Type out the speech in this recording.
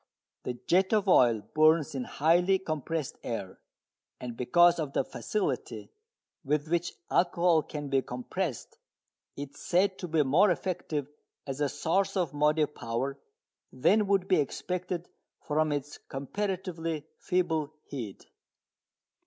The jet of oil burns in highly compressed air. And because of the facility with which alcohol can be compressed it is said to be more effective as a source of motive power than would be expected from its comparatively feeble heat.